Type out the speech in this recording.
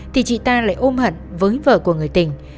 thì chị ta lại ôm hận với vợ của người tình